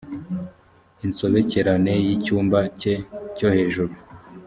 insobekerane ry’icyumba cye cyo hejuru